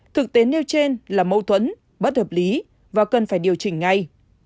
thực tế nêu trên là mâu thuẫn bất hợp lý và cần phải điều chỉnh ngay